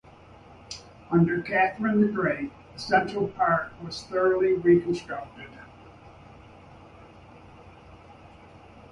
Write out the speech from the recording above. Under Catherine the Great, the central part was thoroughly reconstructed.